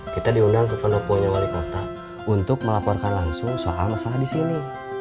kita diundang ke pendoponya wali kota untuk melaporkan langsung soal masalah di sini